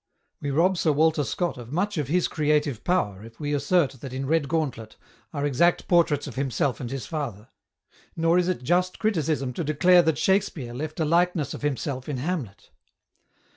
We rob Sir Walter Scott of much of his creative power if we assert that in Redgauntlet are exact portraits of himself and his father, nor is it just criticism to declare that Shakspere left a likeness of him self in Hamlet.